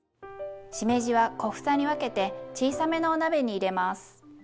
しめじは小房に分けて小さめのお鍋に入れます。